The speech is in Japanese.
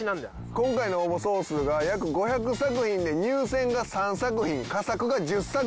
今回の応募総数が約５００作品で入選が３作品佳作が１０作品。